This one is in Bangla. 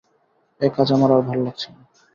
এ কাজ আমার আর ভাল লাগছে না।